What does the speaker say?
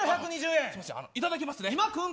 いただきますね。